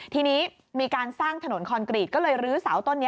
ทีนี้มีการสร้างถนนคอนกรีตก็เลยลื้อเสาต้นนี้